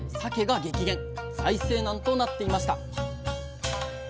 財政難となっていました